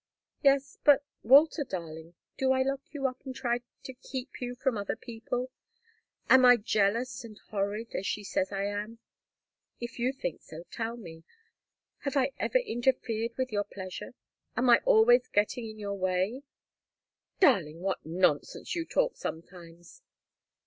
"Yes but, Walter darling do I lock you up and try to keep you from other people? Am I jealous and horrid, as she says I am? If you think so, tell me. Have I ever interfered with your pleasure? Am I always getting in your way?" "Darling! What nonsense you talk sometimes!"